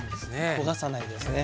焦がさないですね。